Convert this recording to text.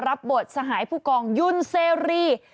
รับบทสหายผู้กองยุ่นเสรี